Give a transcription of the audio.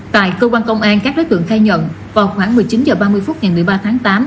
tại cơ quan công an các đối tượng khai nhận vào khoảng một mươi chín h ba mươi phút ngày một mươi ba tháng tám